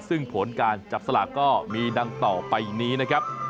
ซึ่งผลการจับสลากก็มีดังต่อไปนี้นะครับ